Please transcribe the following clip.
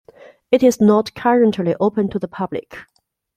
It is not currently open to the public.